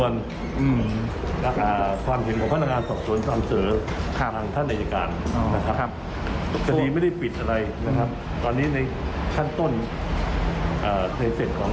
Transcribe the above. แล้วก็มีขบวนการทั้งศาลต่อไป